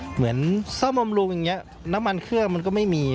เหมือนซ่อมบำรุงอย่างนี้น้ำมันเครื่องมันก็ไม่มี